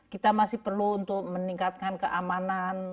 kita masih perlu untuk meningkatkan keamanan